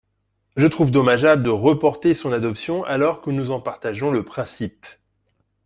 Je trouve dommageable de reporter son adoption alors que nous en partageons le principe.